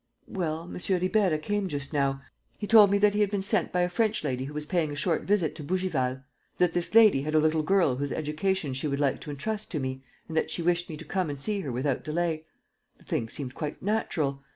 "Well, M. Ribeira came just now. He told me that he had been sent by a French lady who was paying a short visit to Bougival, that this lady had a little girl whose education she would like to entrust to me and that she wished me to come and see her without delay. The thing seemed quite natural.